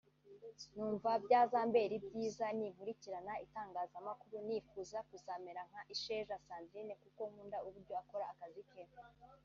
numva byazambera byiza ninkurikirana itangazamakuru […] nifuza kuzamera nka Isheja Sandrine kuko nkunda uburyo akora akazi ke